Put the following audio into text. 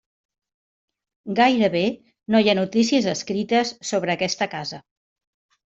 Gairebé no hi ha notícies escrites sobre aquesta casa.